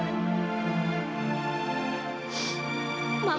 maafin aku tuhan